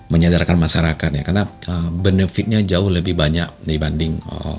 menyadarkan masyarakat ya karena benefitnya jauh lebih banyak dibanding